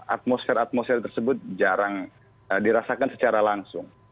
atmosfer atmosfer tersebut jarang dirasakan secara langsung